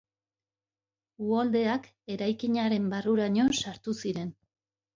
Uholdeak eraikinaren barruraino sartu ziren.